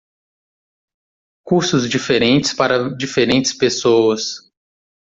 Cursos diferentes para diferentes pessoas.